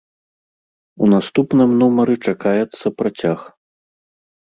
У наступным нумары чакаецца працяг.